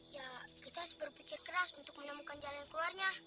ya kita harus berpikir keras untuk menemukan jalan keluarnya